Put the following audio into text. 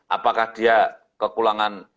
apakah dia kekulangan